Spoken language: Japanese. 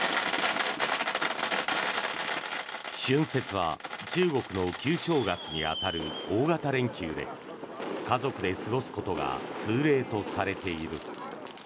春節は中国の旧正月に当たる大型連休で家族で過ごすことが通例とされている。